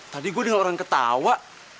tadi gue dengar orang ketawa